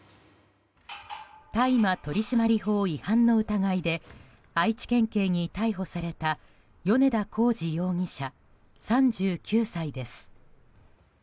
大麻取締法違反の疑いで愛知県警に逮捕された米田洪二容疑者、３９歳です。